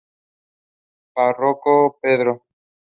Párroco: Pbro.